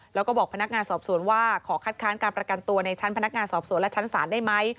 แล้วก็บอกพนักงานสอบสวนว่าขอคัดค้านการประกันตัวในชั้นพนักงานสอบสวนและชั้นศาลได้ไหม